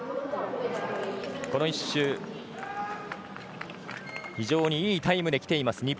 この１周非常にいいタイムできています。